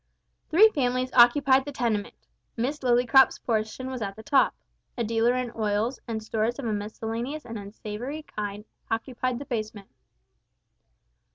Three families occupied the tenement. Miss Lillycrop's portion was at the top. A dealer in oils and stores of a miscellaneous and unsavoury kind occupied the basement.